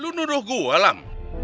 lu nuduh gua lam